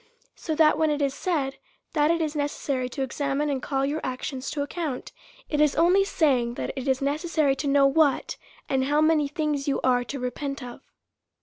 So that, when it is said, that it is necessary to examine and call your actions to account, it is only saying, that it is necessary to know what, and how many things you are to repent of.